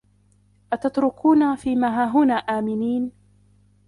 أَتُترَكونَ في ما هاهُنا آمِنينَ